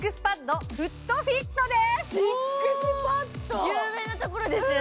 有名なところですよね。